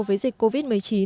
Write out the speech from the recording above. với dịch covid một mươi chín